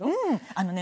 あのね